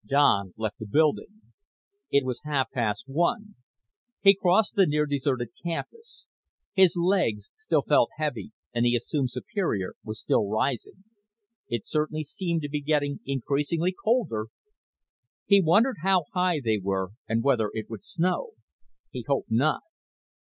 Don left the building. It was half past one. He crossed the near deserted campus. His legs still felt heavy and he assumed Superior was still rising. It certainly seemed to be getting increasingly colder. He wondered how high they were and whether it would snow. He hoped not.